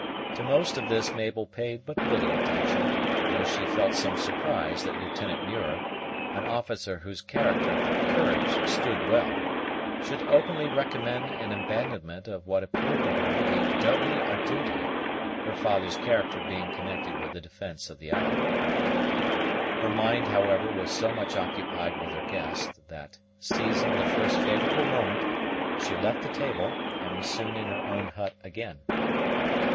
To most of this Mabel paid but little attention; though she felt some surprise that Lieutenant Muir, an officer whose character for courage stood well, should openly recommend an abandonment of what appeared to her to be doubly a duty, her father's character being connected with the defence of the island. Her mind, however, was so much occupied with her guest, that, seizing the first favorable moment, she left the table, and was soon in her own hut again.